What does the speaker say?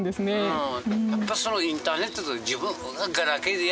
うん。